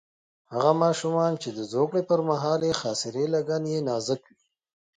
هغه ماشومان چې د زوکړې پر مهال یې خاصرې لګن یې نازک وي.